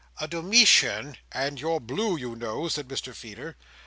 "A Domitian—" "And you're blue, you know," said Mr Feeder.